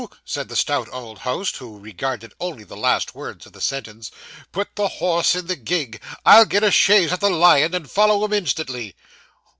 said the stout old host, who regarded only the last words of the sentence. 'Put the horse in the gig! I'll get a chaise at the Lion, and follow 'em instantly.